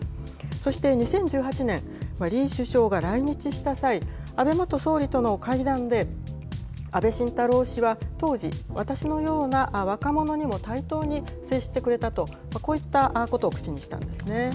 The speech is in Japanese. そして２０１８年、李首相が来日した際、安倍元総理との会談で、安倍晋太郎氏は当時、私のような若者にも対等に接してくれたと、こういったことを口にしたんですね。